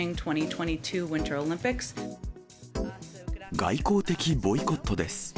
外交的ボイコットです。